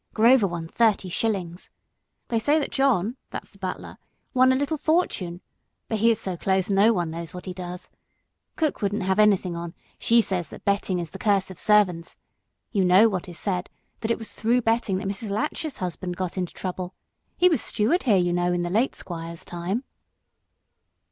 Grover won thirty shillings. They say that John that's the butler won a little fortune; but he is so close no one knows what he has on. Cook wouldn't have anything on; she says that betting is the curse of servants you know what is said, that it was through betting that Mrs. Latch's husband got into trouble. He was steward here, you know, in the late squire's time."